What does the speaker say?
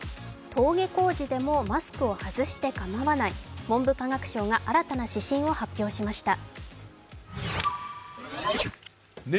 登下校時でもマスクを外してかまわない、文部科学省が新たな指針を発表しました。